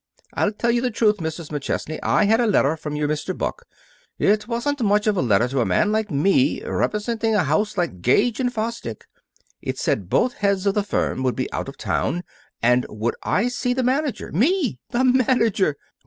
"I'll tell you the truth, Mrs. McChesney. I had a letter from your Mr. Buck. It wasn't much of a letter to a man like me, representing a house like Gage & Fosdick. It said both heads of the firm would be out of town, and would I see the manager. Me see the manager!